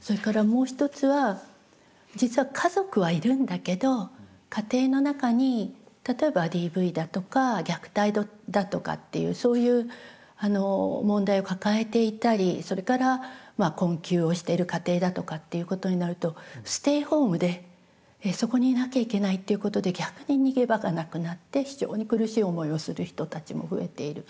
それからもう一つは実は家族はいるんだけど家庭の中に例えばＤＶだとか虐待だとかっていうそういう問題を抱えていたりそれから困窮をしてる家庭だとかっていうことになるとステイホームでそこにいなきゃいけないっていうことで逆に逃げ場がなくなって非常に苦しい思いをする人たちも増えている。